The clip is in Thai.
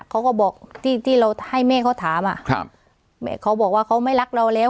เขาก็บอกที่ที่เราให้แม่เขาถามอ่ะครับแม่เขาบอกว่าเขาไม่รักเราแล้ว